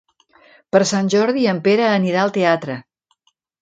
Per Sant Jordi en Pere anirà al teatre.